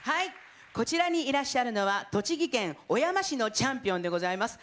こちらにいらっしゃるのは栃木県小山市のチャンピオンです。